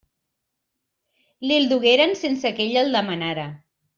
Li'l dugueren sense que ell el demanara.